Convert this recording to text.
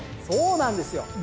そうなんですよ。